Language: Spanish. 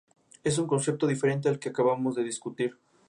Es un concepto diferente al que acabamos de discutir.